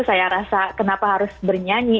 saya rasa kenapa harus bernyanyi